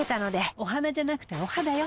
お花じゃなくてお肌よ。